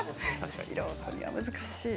素人には難しい。